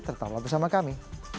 tertawa bersama kami